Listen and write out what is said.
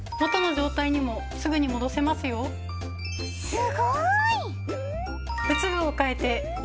すごい！